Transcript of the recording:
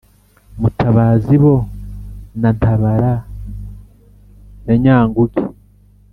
mutabazi bo na ntabara ya nyanguge!